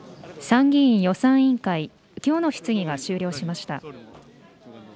参議院予算委員会、きょうの質疑が終了しました。